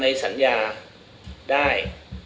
ในสัญญาธุ์ได้